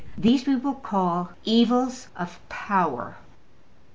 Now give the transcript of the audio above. These we will call ``evils of power.''